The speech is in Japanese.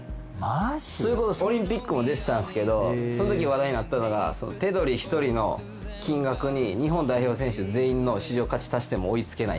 それこそオリンピックも出てたんですけどその時話題になったのがペドリ１人の金額に日本代表選手全員の市場価値足しても追い付けないっていう。